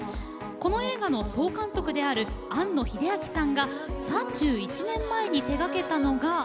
この映画の総監督である庵野秀明さんが３１年前に手がけたのが。